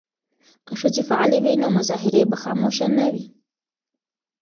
که ښځې فعالې وي نو مظاهرې به خاموشه نه وي.